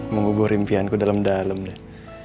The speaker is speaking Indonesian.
mengubur impianku dalam dalam dan